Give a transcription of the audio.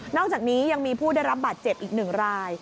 อกจากนี้ยังมีผู้ได้รับบาดเจ็บอีก๑ราย